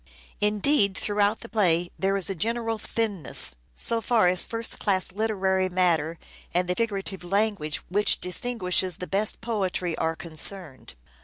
Indeed, through out the play there is a general thinness, so far as first class literary matter and the figurative language which distinguishes the best poetry are concerned.